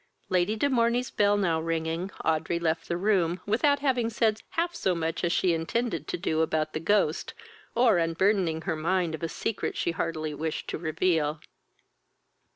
Lady de Morney's bell now ringing, Audrey left the room, without having said half so much as she intended to do about the ghost, or unburthening her mind of a secret she heartily wished to reveal.